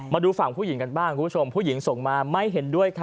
มาดูฝั่งผู้หญิงกันบ้างคุณผู้ชมผู้หญิงส่งมาไม่เห็นด้วยค่ะ